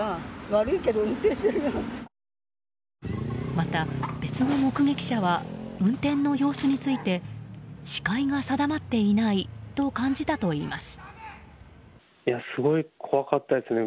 また、別の目撃者は運転の様子について視界が定まっていないと感じたといいます。